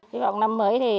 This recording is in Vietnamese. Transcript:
hy vọng năm mới